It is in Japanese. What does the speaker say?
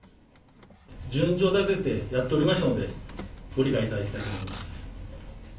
順序立ててやっておりましたので、ご理解いただきたいと思います。